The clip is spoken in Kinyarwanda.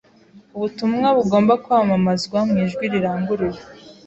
Ubutumwa bugomba kwamamazwa mu ijwi riranguruye,